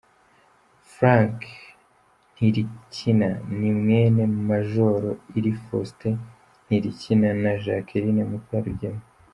Frank Ntilikina ni mwene Major Ir Faustin Ntilikina na Jacqueline Mukarugema.